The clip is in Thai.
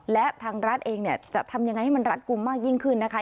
และทางรัฐเองจะทำอย่างไรให้มันรัดกุมมากยิ่งขึ้นนะคะ